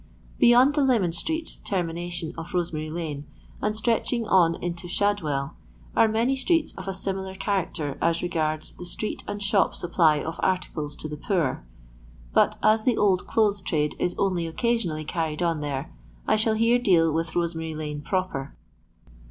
Beyond the Leman street termination of Rose mary lane, and stretching on into Shadwell, are many streets of a similar character as regards the street and shop supply of articles to the poor; but as the old clothes trade is only occasionally carried on there, I shall here deal with Rosemary lane proper.